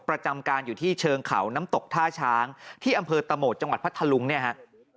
ประจำการอยู่ที่เชิงเขาน้ำตกท่าช้างที่อำเภอตะโหมดจังหวัดพัทธลุงเนี่ยฮะ